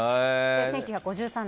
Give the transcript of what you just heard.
１９５３年。